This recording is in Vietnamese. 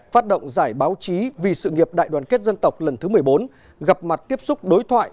phát động giải báo chí vì sự nghiệp đại đoàn kết dân tộc lần thứ một mươi bốn gặp mặt tiếp xúc đối thoại